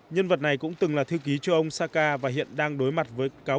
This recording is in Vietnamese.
nhân vật này cũng từng là thư ký cho ông saca và hiện đang đối mặt với cáo cáo